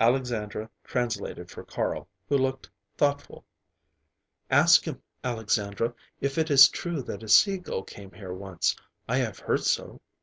Alexandra translated for Carl, who looked thoughtful. "Ask him, Alexandra, if it is true that a sea gull came here once. I have heard so."